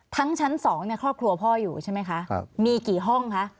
ทั้งชั้นสองเนี่ยครอบครัวพ่ออยู่ใช่ไหมคะครับมีกี่ห้องคะ